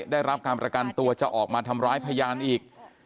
ได้รับการประกันตัวจะออกมาทำร้ายพยานอีก